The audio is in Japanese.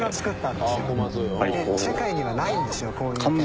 で世界にはないんですよこういうタイプ。